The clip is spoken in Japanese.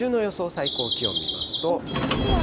最高気温見ますと。